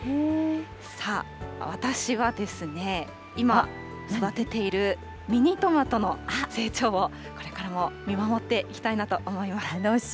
さあ、私はですね、今、育てているミニトマトの成長をこれからも見守っていきたいなと思います。